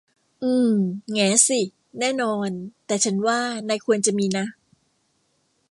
อืม แหงสิ แน่นอน แต่ฉันว่านายควรจะมีนะ